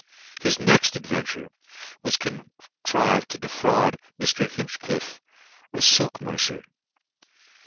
His next adventure was contrived to defraud Mr. Hinchcliffe, a filk mercer.